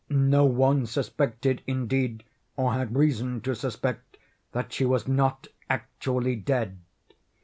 No one suspected, indeed, or had reason to suspect, that she was not actually dead.